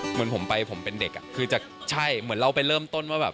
เหมือนผมไปผมเป็นเด็กอ่ะคือจะใช่เหมือนเราไปเริ่มต้นว่าแบบ